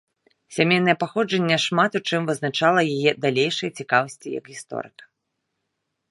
Сямейнае паходжанне шмат у чым вызначыла яе далейшыя цікавасці як гісторыка.